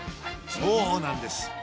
そうなんです。